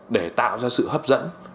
để tạo ra sự hấp dẫn